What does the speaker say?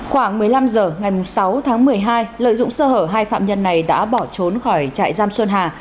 khoảng một mươi năm h ngày sáu tháng một mươi hai lợi dụng sơ hở hai phạm nhân này đã bỏ trốn khỏi trại giam xuân hà